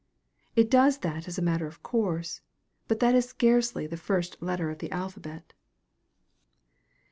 It does that as a matter of course, but that is scarcely the first letter of the alphabet.